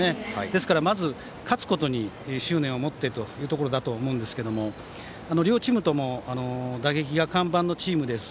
ですからまず、勝つことに執念を持ってということだと思いますが両チームとも打撃が看板のチームです。